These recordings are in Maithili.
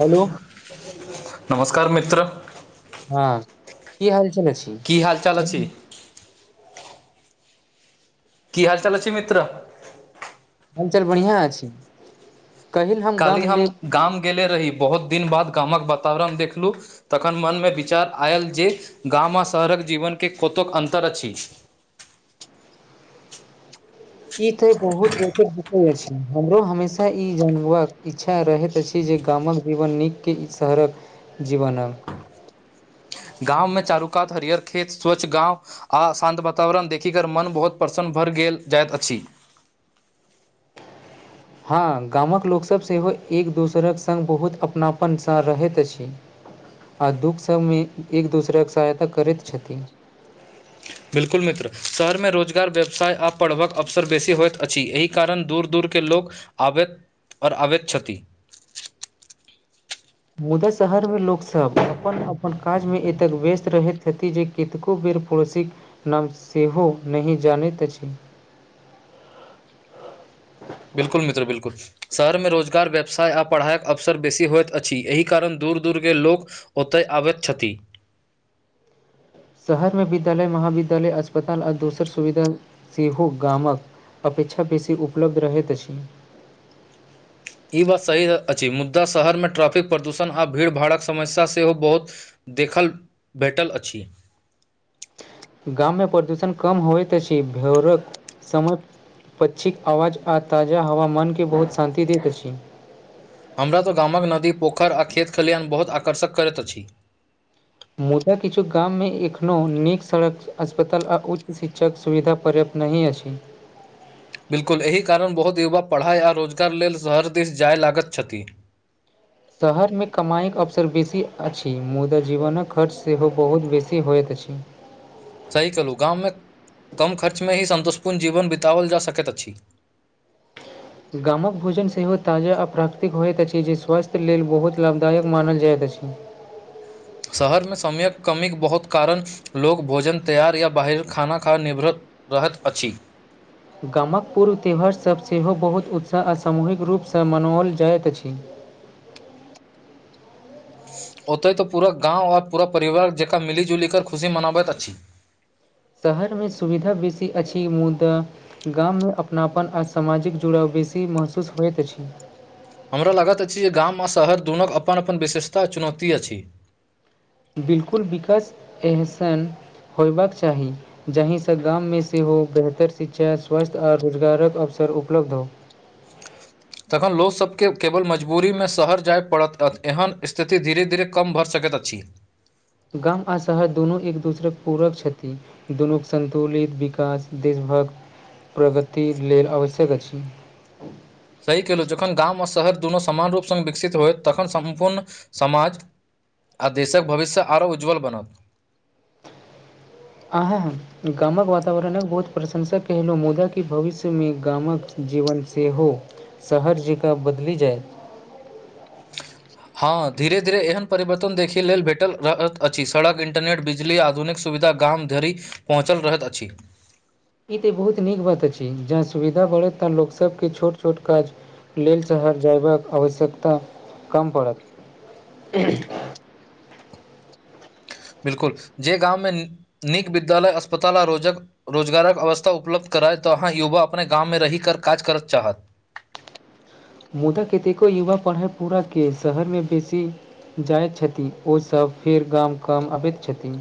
हेलो नमस्कार मित्र हँ की हाल [unintelligible] च छै की हाल चाल अछि कि हाल चाल छै, मित्र। हालचाल बढ़िआँ अछि, कहिल हम काल्हि गाम ल गाम गेले रही बहुत दिन बाद गाम कऽ वातावरण देखलू। तखन मनमे विचार आयल जे गाम आ शहर कऽ जीवनके कतेक अन्तर अछि। इ, ते बहुत रोच बते अछि, हमरो हमेशा इ जाना के इच्छा रहैत अछि। जे गाम कऽ जीवन निक शहरकऽ जीवन। गाव मे चारुकात हरियर खेत स्वच्छ गाव। आ शान्त वातावरण देखि कऽ मन बहुत प्रसन्न भरि गेल जाइत अछि। हँ, गाम कऽ लोकसभ सेहो एक दोसरक संग बहुत अपनापनसँ रहैत अछि। आ, दुख सभमे एक दोसराके सहायता करैत छथि। बिल्कुल मित्र शहरमे रोजगार व्यवसाय आ पढ़बक अवसर बेसी होइत अछि, एहि। कारण दूर दूरके लोक आवैत आबैत छथि। मुदा शहरमे लोकसभ अपन अपन काजमे एतेक व्यस्त रहैत अछि, जे। एकको बेर पड़ोसी नाम सेहो नहि जानैत अछि। बिल्कुल मित्र बिल्कूल। शहरमे रोजगार व्यवसाय आ पढ़ाइक अवसर बेसी होइत अछि, एहि कारण दूर दूरके लोक। ओतय अबैत छथि। शहरमे विद्यालय महाविद्यालय अस्पताल आ दोसर सुविधा सेहो गाम कऽ। अपेक्षा बेसी उपलब्ध रहैत अछि। ई, बात सही अछि, मुदा शहरमे ट्रैफिक प्रदूषण आ भीड़ भाड़क समस्या सेहो बहुत। देखल भेटल अछि। गाम मे प्रदूषण कम होइ तस भरक समय। पक्षीकऽ आवाज आ ताजा हवा मनके बहुत शान्ति दैत अछि। हमरा तऽ गामकऽ नदी पोखरि आ खेत खलिहान बहुत आकर्षक करैत अछि। मुदा किछु गाम मे एखनो निक सड़क अस्पताल आ उच्च शिक्षक सुविधा पर्याप्त। नहि अछि। बिल्कुल एहि कारण बहुत युवा पढ़ाइ आ रोजगार लेल शहर दिश जाय लागैत छथि। शहर मे कमाइ कऽ अवसर बेसी अछि, मुदा जीवनक खर्च सेहो बहुत बेसी होइत अछि। सही कहलूँ गाम मे कम खर्च मे ही सन्तोष्पूर्ण जीवन बितओल जा सकैत अछि। गाम कऽ भोजन सेहो ताजा आ प्राकृतिक होइत अछि, जे स्वास्थ्य लेल बहुत लाभदायक मानल जाइत अछि। शहर मे समय कऽ कमीके बहुत कारण लोक मे भोजन तैआर या बाहर खाना खा निभरत रहैत अछि। गाम कऽ पूर्व त्यौहारसभ सेहो बहुत उत्साह आ सामूहिक रूपसँ मनाओल जाइत अछि। ओतय तऽ पूरा गाव आओर पूरा परिवार जकाँ मिली जुलि कऽ खुशी मनाबैत अछि। शहर मे सुविधा बेसी अछि मुदा। गाम मे अपनापन आ सामाजिक जुड़ाव बेसी महसूस होइत अछि। हमरा लागैत अछि, जे गाम आ शहर दुनू अपन अपन विशेषता चुनौती अछि। बिल्कुल विकास एहसन होयबा कऽ चाही जहिसँ गाम मे से हो बेहतर शिक्षा स्वास्थ्य आर रोजगारक अवसर उपलब्ध हो। तखन लोक सभके केवल मजबूरीमे शहर जाय पड़त एहन स्थिति धीरे धीरे कम भऽ सकैत अछि। गाम आ शहर दुनू एक दूसर कऽ पूरक छथिन दुनू के सन्तुलित विकास देशभक प्रगत लेल आवश्यक अछि। सही केलहुँ जखन गाम आ शहर दुनू समामान रूपसँ विकसित होयत तखन सम्पूर्ण समाज। आ देश कऽ भविष्य आरो उज्जवल बनत। अहाँ गाम कऽ वातावरणके बहुत प्रशंसा केलहुँ मुदा कि भविष्यमे गाम के। जीवन सेहो शहर जगाँ बदली जाइ हँ धीरे धीरे एहन परिवर्तन देखै लेल भेटल अछि सड़क इन्टरनेट बिजली आ आधुनिक सुविधा गाम धरि पहुँचल रहैत अछि ई ते बहुत नीक बात अछि जहा सुविधा बढ़त ता लोको सब के छोट छोट काज लेल शहर जयबाक आवश्यकता कम पड़त बिल्कुल जे गामंवमे नीक विद्यालय अस्पताल आ रोजक रोजगारक अवस्था उपलब्ध कराय तऽ अहाँ युवा अपने गाममे रहि कऽ काज करत चाहत मुदा कतेको युवा पढ़ै पूरा के शहर मे बेसी जाइत छथि ओसभ फेर गाम काम अबैत छथिन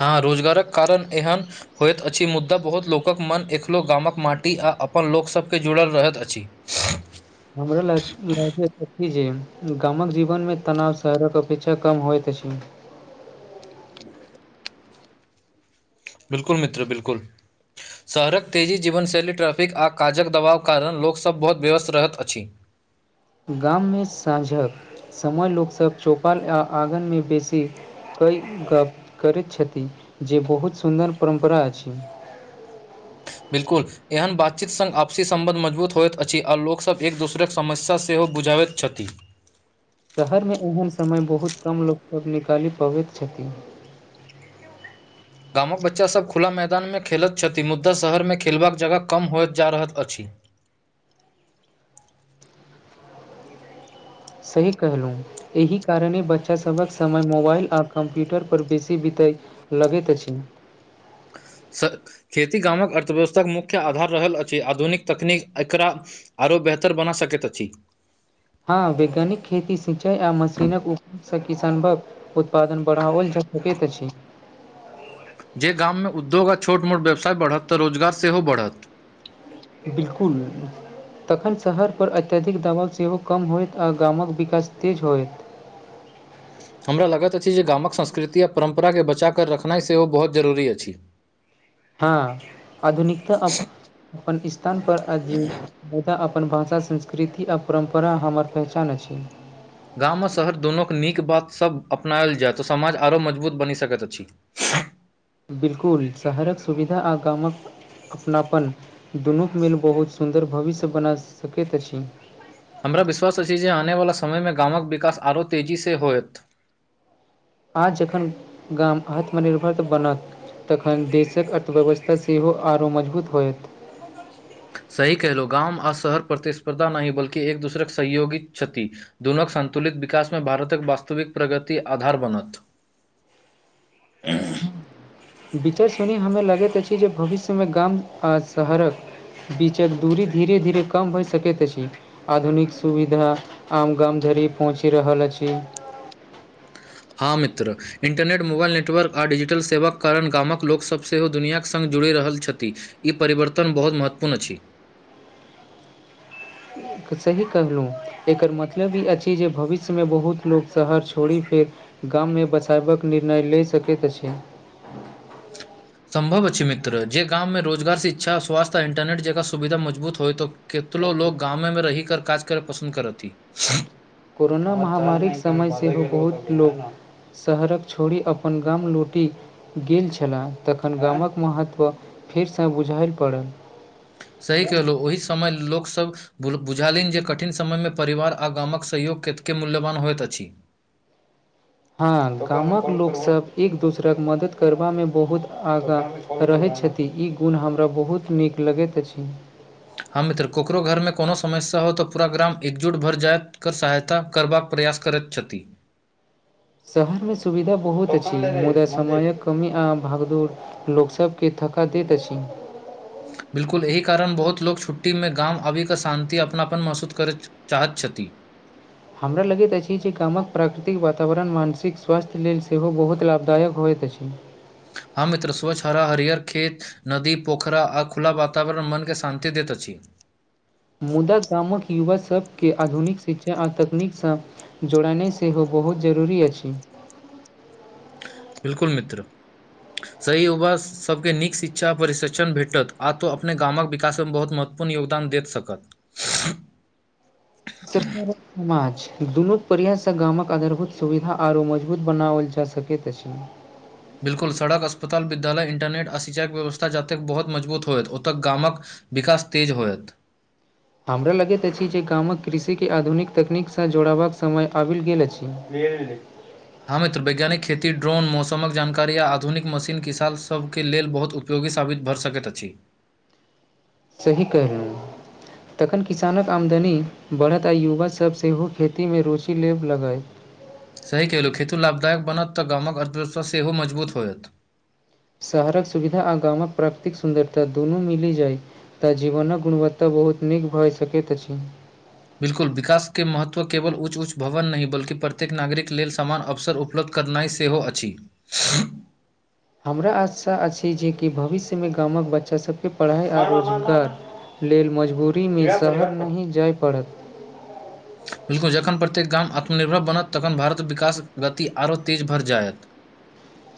हँ रोजगारक कारण एहन होयइत अछि मुद्दा बहुत लोकक मन एकलो गामक माटी आ अपन लोकसभके जुड़ल रहैत अछि [unintelligible] [unintelligible] हमरा ल जे गामक जीवनमे तनाव शहरक अपेक्षा कम होइत अछि ह बिल्कुल मित्र बिल्कुल शहरक तेजी जीवनशैली ट्रैफिक आ काजक दबाव कारण लोकसभ बहुत व्यस्त रहत अछि गाम मे साँझक समय लोकसभ चौपाल आ आँगन मे बेसी कै गप करैत छथि जे बहुत सुन्दर परम्परा अछि बिल्कुल एहन बातचीत सङ्ग आपसी सम्बन्ध मजबूत होइत अछि आ लोकसभब एक दोसरक समस्या सेहो बुझाबैत छथि शहरमे एहन समय बहुत कम लोकसभ निकालि पबैत छथिन गामक बच्चासभ खुला मैदानमे खेलैत छथि मुदा शहरमे खेलबाक जगह कम होइत जा रहल अछि सही कहलहुँ एहि कारणे बच्चासभक समय मोबाईल आ कम्प्यूटरपर बेसी बीतय लगेैत अछि स खेती गामक अर्थव्यवस्थाक मुख्य आधार रहल अछि आधुनिक तकनीक एकरा आरो बेहतर बना सकैत अछि हँ वैज्ञानिक खेती सिंचाई आ मशीनक उपोग किसानभग उत्पादन बढ़ाओल जा सके तऽ अछि जे गाममे उद्योग आ छोट मोट व्यवसाय बढ़त तऽ रोजगार सेहो बढ़त बिल्कुल तखन शहरपर अत्यधिक दबाव सेहो कम होयत आ गामक विकास तेज होयत हमरा लगैत अछि जे गामक संस्कृति आ परम्पराके बचाकऽ रखनाई सेहो बहुत जरूरी अछि हँ आधुनिकता अपन स्थान पर अजी तऽ अपन भाषा संस्कृति आ परम्परा हमर पहचान अछि गाम आ शहर दुनूक नीक बात सभ अपनायल जाय तऽ समाज आरो मजबूत बनि सकैत अछि [inaudible] बिल्कुल शहरक सुविधा आ गामक अपनापन दुनू मिल बहुत सुन्दर भविष्य बना सकैत अछि हमरा विश्वास अछि जे आनेवला समयमे गामक विकास आरो तेजीसँ होयत आ जखन गाम आत्मनिर्भर बनत तखन देशक अर्थव्यवस्था सेहो आरो मजबूत होयत सही कहलो गामव आ शहर प्रतिस्पर्धा नहि बल्कि एक दूसरेके सहयोगी क्षति दुनोके संन्तुलित विकासमे भारतक वास्तविक प्रगति आधार बनत विचा [unintelligible] हमरा लगैत अछि जे भविष्यमे गाम आ शहरक बीचक दूरी धीरे-धीरे कम भऽ सकैत अछि आधुनिक सुविधा आम गाम धरि पहुँचि रहल अछि। हँ मित्र इन्टरनेट मोबाईल नेटवर्क आ डिजिटल सेवाक कारण गामक लोकसभ सेहो दुनियाक संग जुड़ि रहल छथि। ई परिवर्तन बहुत महत्वपूर्ण अछि। सही कहलहुँ। एकर मतलब ई अछि जे भविष्यमे बहुत लोक शहर छोड़ि फेर गाममे बसायबाक निर्णय लऽ सकैत अछि। सम्भव अछि मित्र जे गाममे रोजगार शिक्षा स्वास्थ्य आ इन्टरनेट जकाँ सुविधा मजबूत होय तऽ केतलो लोग गामे रहि कऽ काज करब पसन्द करथि कोरोना महामारीक समय सेहो बहुत लोक शहर छोड़ि अपन गाम लौटि गेल छलए तखन गामक महत्व फेरसँ बुझाएल पड़ल सही कलहुँ ओहि समय लोक सभ बुझलनि जे कठिन समयमे परिवार आ गामक सहयोग कतेक मूल्यवान होइत अछि हँ गामक लोकसभ एक दोसराके मदद करबामे बहुत आगाँ रहैत छथि ई गुण हमरा बहुत नीक लगैत अछि हँ मित्र ककरो घरमे कोनो समस्या हो तऽ पूरा ग्राम एकजुट भऽ जायत सहायता करबाक प्रयास करैत छथि। शहरमे सुविधा बहुत अछि मुदा समयक कमी आ भागदौड़ लोक सभके थका दैत अछि। बिल्कुल एहि कारण बहुत लोक छुट्टीमे गाम आबि कऽ शांति, अपनापन महसूस करैत चाहत छथि हमरा लगैत अछि जे गामक प्राकृतिक वातावरण मानसिक स्वास्थ्य लेल सेहो बहुत लाभदायक होइत अछि। हम मित्र स्वच्छ हरा हरिहर खेत नदी पोखरा आ खुला वातावरण मनके शान्ति दैत अछि मुदा गामक युवा सबके आधुनिक शिक्षा आ तकनीकसँ जुड़नाइ सेहो बहुत जरूरी अछि। बिल्कुल मित्र, सही [unintelligible] सभके नीक शिक्षा प्रशिक्षण भेटत आ तऽ ओ अपने गामक विकासमे बहुत महत्वपूर्ण योगदान दे सकत। [unintelligible] समाज दुनू प्रयाससँ गामक आधारभूत सुविधा आरो मजबूत बनाओल जा सकैत अछि। बिल्कुल सड़क, अस्पताल, विद्यालय, इंटरनेट आ सिचाइ केर व्यवस्था जतेक बहुत मजबूत होयत ओतऽ गामक विकास तेज होयत। हमरा लगैत अछि जे गामक कृषिकेॅं आधुनिक तकनीकसँ जोड़बाक समय आबि गेल अछि। हँ मित्र वैज्ञानिक खेती, ड्रोन मौसम जानकारी आ आधुनिक मशीन किसान सभके लेल बहुत उ पयोगी साबित भऽ सकैत अछि सही कहलहुँ। तखन किसानक आमदनी बढ़त आ युवा सब सेहो खेतीमे रुचि लेबऽ लगथि। सही कहलहुँ, खेती लाभदायक बनत तऽ गामक अर्थव्यवस्था सेहो मजबूत होयत। शहरक सुविधा आ गामक प्राकृतिक सुन्दरता दुनू मिलि जाइत तॅं जीवनक गुणवत्ता बहुत नीक भऽ सकैत अछि। बिल्कुल विकासके महत्व केवल ऊॅंच-ऊॅंच भवन नहि बल्कि प्रत्येक नागरिकक लेल समान अवसर उप -लब्ध करनाइ सेहो अछि। हमरा आशा अछि जे कि भविष्यमे गामक बच्चा सभके पढ़ाइ आ रोजगार लेल मजबूरीमे शहर नहि जाय पड़त बिल्कुल जखन प्रत्येक गाम आत्मनिर्भर बनत तखन भारतक विकासक गति आरो तेज भरि जायत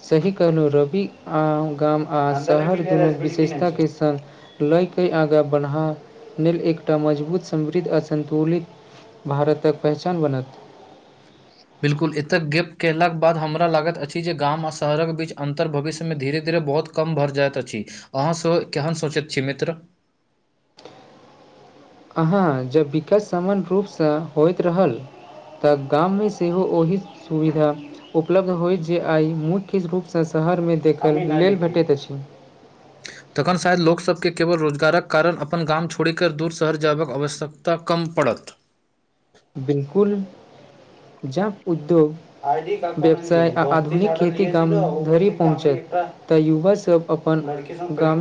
सही कहलहु रवि आ गाम आ शहर विशेषता के संग लय क आगाँ बढ़ावक लेल एकटा मजबूत समृद्ध अ सन्तुलित भारतक पहचान बनत बिल्कुल एतऽ गप कयलाके बाद हमरा लागैत अछि जे गाम आर शहरके बीच अन्तर भविष्यमे धीरे धीरे बहुत कम भऽ जायइत अछि अहाँसँ केहन सोचैत छी मित्र अहाँ जब विकास सामान्य रूपसँ होइत रहल तऽ गाममे सेहो ओहि सुविधा उपलब्ध होय जे आइ मुख्य रूपसँ शहरमे देखय लेल भेटैत अछि तखन शायद लोकसभकेँ केवल रोजगारक कारण अपन गाम छोड़ि कऽ दूर शहर जायबाक आवश्यकता कम पड़त बिल्कुल जब उद्योग व्यवसाय आ आधुनिक खेती गाम धरि पहुँचत तऽ युवा सब अपन गाँव